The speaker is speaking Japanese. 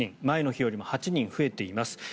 前の日よりも８人増えています。